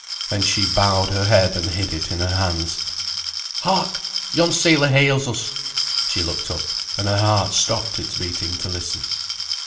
Then she bowed her head and hid it in her hands. "Hark! yon sailor hails us." She looked up. And her heart stopped its beating to listen.